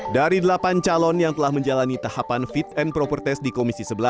dari delapan calon yang telah menjalani tahapan fit and proper test di komisi sebelas